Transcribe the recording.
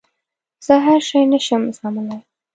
زه هر شی نه شم زغملای.